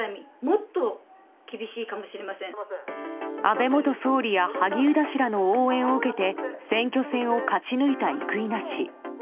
安倍元総理や萩生田氏らの応援を受けて選挙戦を勝ち抜いた生稲氏。